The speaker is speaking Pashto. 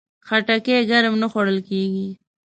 خټکی ګرم نه خوړل کېږي.